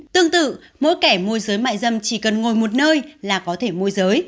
tương tự mỗi kẻ môi giới mại dâm chỉ cần ngồi một nơi là có thể môi giới